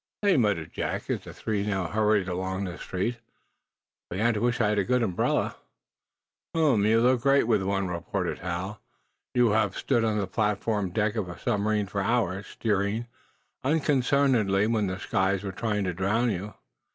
"Say," muttered Jack, as the three now hurried along the street, "I begin to wish I had a good umbrella." "Humph! You'd look great with one," retorted Hal. "You, who have stood on the platform deck of a submarine for hours, steering unconcernedly, when the skies were trying to drown you."